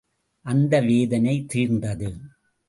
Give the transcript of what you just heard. அந்த வேதனை தீர்ந்தது!